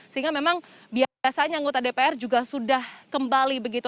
sehingga memang biasanya anggota dpr juga sudah kembali begitu